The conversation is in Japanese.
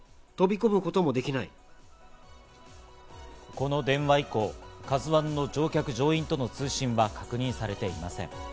この電話以降、「ＫＡＺＵ１」の乗客乗員との通信は確認されていません。